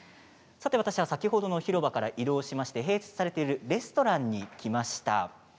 私は先ほどの広場から移動しまして併設されているレストランに来ました。